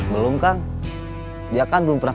belum kang dia kan belum pernah